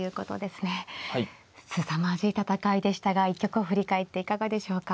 すさまじい戦いでしたが一局を振り返っていかがでしょうか。